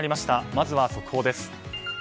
まずは速報です。